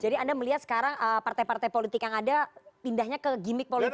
jadi anda melihat sekarang partai partai politik yang ada pindahnya ke gimmick politik ya